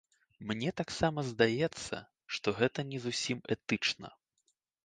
Мне таксама здаецца, што гэта не зусім этычна.